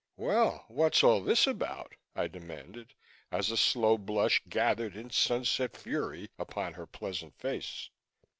"Well, what's all this about?" I demanded, as a slow blush gathered in sunset fury upon her pleasant face.